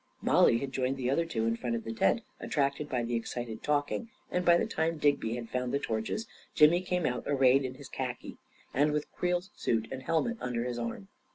Mollie had joined the other two in front of the tent, attracted by the excited talking, and by the time Digby had found the torches, Jimmy came out arrayed in his khaki, and with Creel's suit and hel met under his arm.